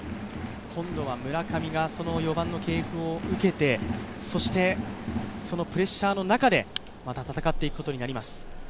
今度は村上がその４番の系譜を受けてそしてそのプレッシャーの中でまた戦っていくことになります。